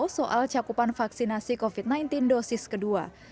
soal cakupan vaksinasi covid sembilan belas dosis kedua